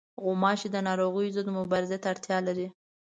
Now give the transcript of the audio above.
غوماشې د ناروغیو ضد مبارزې ته اړتیا لري.